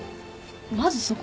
まずそこ？